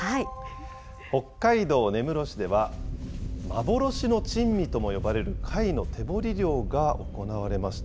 北海道根室市では、幻の珍味とも呼ばれる貝の手掘り漁が行われました。